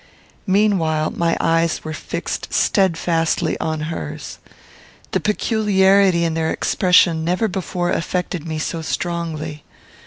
Meanwhile my eyes were fixed steadfastly on hers. The peculiarity in their expression never before affected me so strongly.